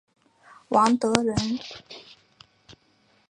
王德人。